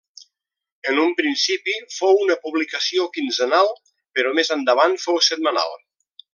En un principi fou una publicació quinzenal, però més endavant fou setmanal.